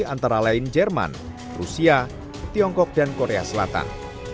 antara lain jerman rusia tiongkok dan korea selatan